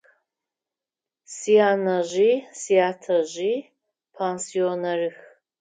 Сянэжъи сятэжъи пенсионерых.